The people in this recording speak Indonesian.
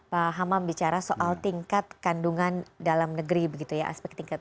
pak hamam bicara soal tingkat kandungan dalam negeri begitu ya aspek tingkat